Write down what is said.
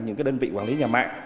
những cái đơn vị quản lý nhà mạng